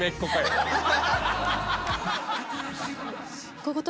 こういうこと？